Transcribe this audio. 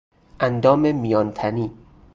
اندام میان تنی